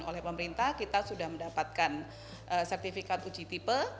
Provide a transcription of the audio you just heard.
dan oleh pemerintah kita sudah mendapatkan sertifikat uji tipe